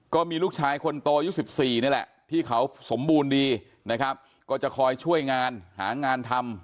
ก็มีลูกชายคนโตอายุ๑๔นี่แหละที่เขาสมบูรณ์ดีนะครับก็จะคอยช่วยงานหางานทำ